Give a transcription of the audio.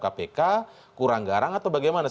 kpk kurang garang atau bagaimana